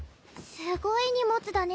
すごい荷物だね。